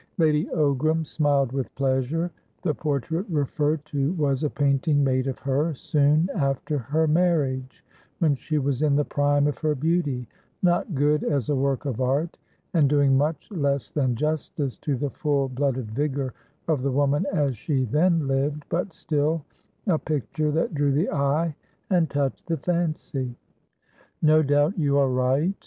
Lady Ogram smiled with pleasure. The portrait referred to was a painting made of her soon after her marriage, when she was in the prime of her beauty; not good as a work of art, and doing much less than justice to the full blooded vigour of the woman as she then lived, but still a picture that drew the eye and touched the fancy. "No doubt you are right.